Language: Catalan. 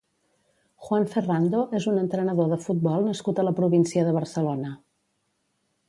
Juan Ferrando és un entrenador de Futbol nascut a la província de Barcelona.